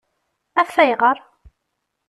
Af ayɣeṛ?